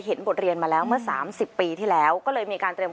บทเรียนมาแล้วเมื่อสามสิบปีที่แล้วก็เลยมีการเตรียม